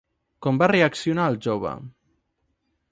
Com va reaccionar el jove?